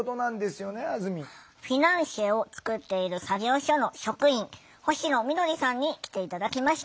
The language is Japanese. フィナンシェを作っている作業所の職員星野みどりさんに来て頂きました。